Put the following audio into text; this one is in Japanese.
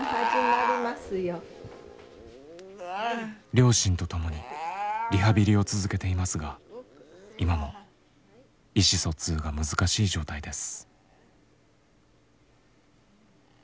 両親と共にリハビリを続けていますが今も意思疎通が難しい状態です。